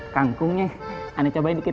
kangkungnya ane cobain dikit